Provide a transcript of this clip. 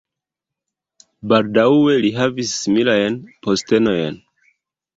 Baldaŭe li havis similajn postenojn.